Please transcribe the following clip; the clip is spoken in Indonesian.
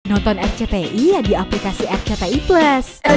nonton rcti di aplikasi rcti plus